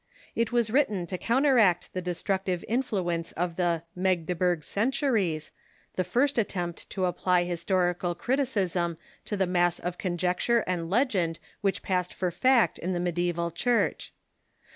It was written to counteract the destructive in 384 THE MODERN CHURCH fluence of the " Magdeburg Centuries," the first attempt to apply historical criticism to the mass of conjecture and legend which passed for fact in the Medianal Church.